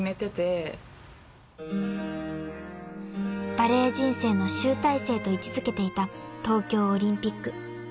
［バレー人生の集大成と位置付けていた東京オリンピック］